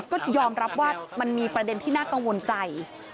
ก็ยอมรับว่ามันมีประเด็นที่น่ากังวลใจ